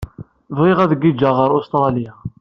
Bɣiɣ ad giǧǧeɣ ɣer Ustṛalya.